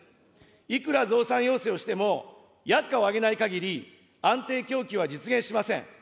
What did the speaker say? いくら増産要請をしても、薬価を上げないかぎり、安定供給は実現しません。